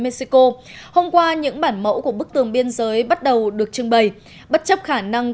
mexico hôm qua những bản mẫu của bức tường biên giới bắt đầu được trưng bày bất chấp khả năng